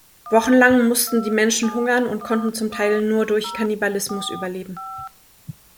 Wochenlang mussten die Menschen hungern und konnten zum Teil nur durch Kannibalismus überleben.